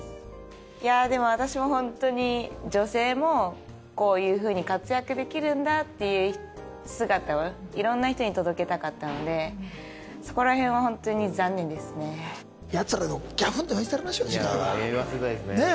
いやでも私も本当に女性もこういうふうに活躍できるんだっていう姿を色んな人に届けたかったのでそこらへんは本当に残念ですねやつらをギャフンと言わしたりましょう次回は言わせたいですねねえ